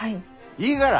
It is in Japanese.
いいがら。